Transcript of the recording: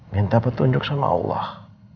minta petunjuk sama allah